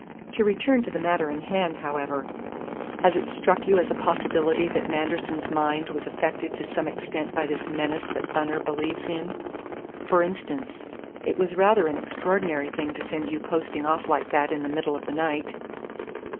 To return to the matter in hand, however: has it struck you as a possibility that Manderson's mind was affected to some extent by this menace that Bunner believes in? For instance, it was rather an extraordinary thing to send you posting off like that in the middle of the night."